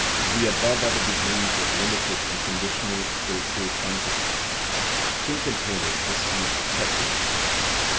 The above are the degrees of limited and conditioned spiritual consciousness, still containing the seed of separateness.